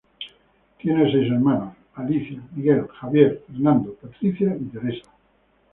Tiene seis hermanos: Alicia, Miguel, Javier, Fernando, Patricia y Teresa.